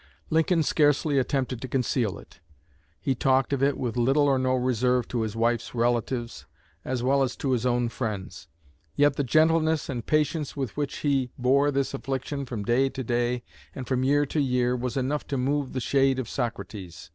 Lincoln scarcely attempted to conceal it. He talked of it with little or no reserve to his wife's relatives, as well as to his own friends. Yet the gentleness and patience with which he bore this affliction from day to day and from year to year was enough to move the shade of Socrates.